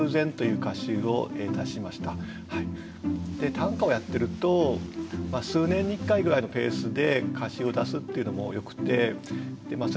短歌をやってると数年に１回ぐらいのペースで歌集を出すっていうのもよくてそれを目標にですね